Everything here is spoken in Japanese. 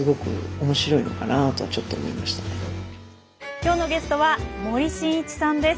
今日のゲストは森進一さんです。